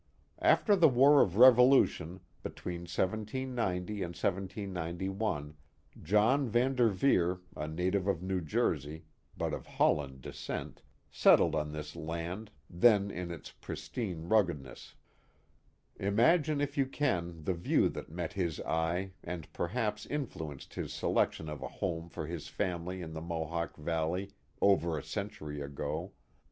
After the war of Revolution, between 1790 and 1791, John Van Derveer, a native of New Jersey, but of Holland descent, settled on this land, then in its pristine ruggedness. Imagine if you can the view that met hh eye and perhaps influenced his selection of a home for his family in the Mohawk Valley over a century ago.